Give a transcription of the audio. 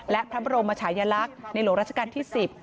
และพระบรมชายลักษณ์ในหลวงราชการที่๑๐